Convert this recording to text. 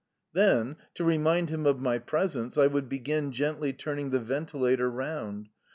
Then, to remind him of my presence, I would begin gently turning the ventilator round.